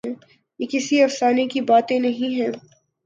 یہ کسی افسانے کی باتیں نہیں ہیں۔